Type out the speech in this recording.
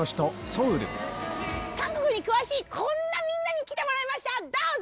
韓国に詳しいこんなみんなに来てもらいましたどうぞ！